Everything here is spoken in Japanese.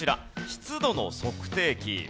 湿度の測定器。